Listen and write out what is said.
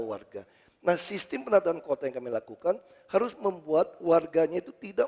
warga nah sistem penataan kota yang kami lakukan harus membuat warganya itu tidak